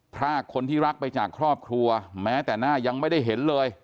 พรากคนที่รักไปจากครอบครัวแม้แต่หน้ายังไม่ได้เห็นเลย